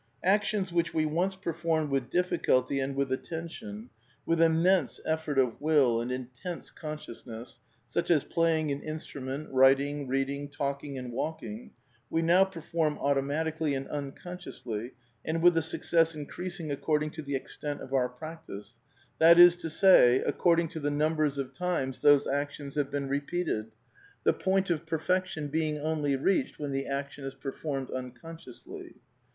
Ac 16 A DEFENCE OF IDEALISM tions which we once performed with diflSculty and with attention, with immense effort of wiU and intense con sciousness, such as playing an instrument, writing, read ing, talking and walking, we now perform automatically and unconsciously, and with a success increasing according to the extent of our practice, that is to say, according to the numbers of times those actions have been repeated, the point of perfection being only reached when the action is performed unconsciously.